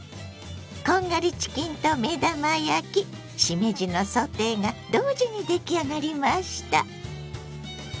こんがりチキンと目玉焼きしめじのソテーが同時に出来上がりました。